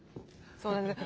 そうなんですよ